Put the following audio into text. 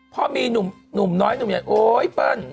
พอมีหนุ่มน้อยหนุ่มใหญ่โอ๊ยเปิ้ล